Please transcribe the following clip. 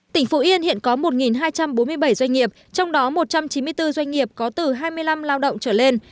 tỉnh phú yên hiện có một hai trăm bốn mươi bảy doanh nghiệp trong đó một trăm chín mươi bốn doanh nghiệp có từ hai mươi năm lao động trở lên